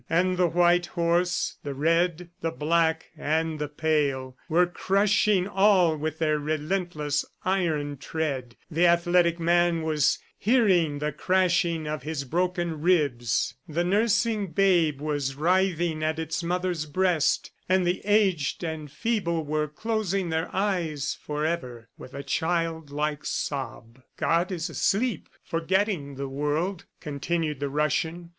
And the white horse, the red, the black and the pale, were crushing all with their relentless, iron tread the athletic man was hearing the crashing of his broken ribs, the nursing babe was writhing at its mother's breast, and the aged and feeble were closing their eyes forever with a childlike sob. "God is asleep, forgetting the world," continued the Russian.